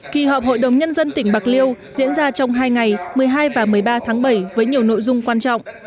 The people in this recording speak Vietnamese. kỳ họp hội đồng nhân dân tỉnh bạc liêu diễn ra trong hai ngày một mươi hai và một mươi ba tháng bảy với nhiều nội dung quan trọng